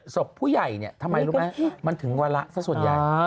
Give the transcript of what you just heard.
ศพผู้ใหญ่เนี่ยทำไมรู้ไหมมันถึงวาระสักส่วนใหญ่